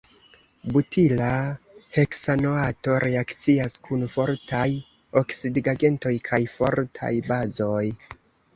Butila heksanoato reakcias kun fortaj oksidigagentoj kaj fortaj bazoj.